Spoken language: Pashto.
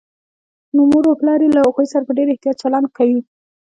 نو مور و پلار يې له هغوی سره په ډېر احتياط چلند کوي